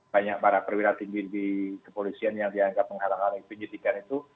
banyak para perwira tinggi di kepolisian yang dianggap menghalang halangi penyidikan itu